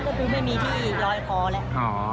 ก็คงไม่มีที่ลอยคอแล้ว